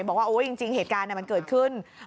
บอกว่าจริงเหตุการณ์มันเกิดขึ้น